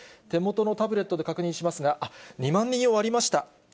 手元のタブレットで確認しますが、２万人を割りました。